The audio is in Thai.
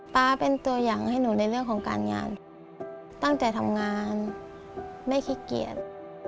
๊าเป็นตัวอย่างให้หนูในเรื่องของการงานตั้งแต่ทำงานไม่ขี้เกียจ